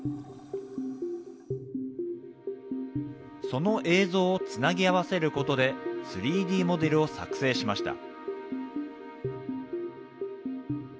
その映像をつなぎ合わせることで、３Ｄモデルを作成しました。